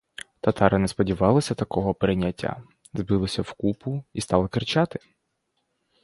Татари не сподівалися такого прийняття, збилися в купу і стали кричати.